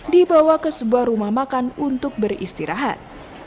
dibawa ke sebuah rumah makan untuk beristirahat